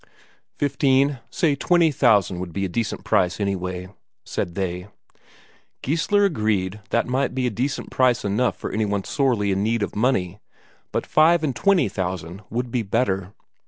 "Fifteen, say twenty thousand would be a decent price anyway," said they. Geissler agreed that might be a decent price enough for any one sorely in need of the money, but five and twenty thousand would be better.